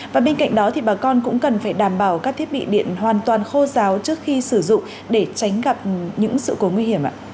và bên cạnh đó thì bà con cũng cần phải đảm bảo các thiết bị điện hoàn toàn khô giáo trước khi sử dụng để tránh gặp những sự cố nguy hiểm ạ